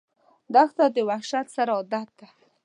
دښته د وحشت سره عادت ده.